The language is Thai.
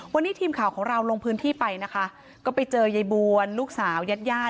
วันนี้ทีมข่าวของเราลงพื้นที่ไปนะคะก็ไปเจอยายบวนลูกสาวยาด